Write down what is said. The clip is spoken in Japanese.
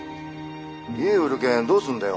家売る件どうすんだよ？